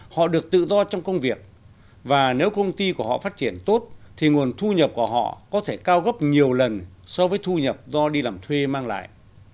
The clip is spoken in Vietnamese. họ được tự do trong công việc và nếu công ty của họ phát triển tốt thì nguồn thu nhập của họ có thể cao gấp nhiều lần so với thu nhập do đi làm thuê mang lại